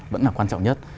vẫn là quan trọng nhất